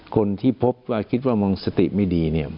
คนที่พบว่าคิดว่ามึงสติไม่ดีเนี่ย